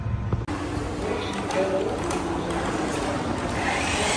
وەک شیکەرەوە ئاماژەی پێ دەکەن